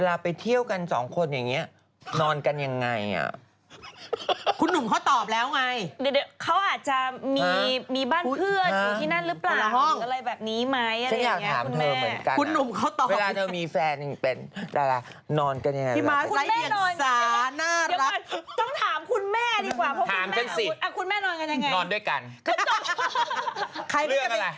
ก๋วยเตี๋ยวก๋วยเตี๋ยวชื่นคืนก๋วยเตี๋ยวหัวนม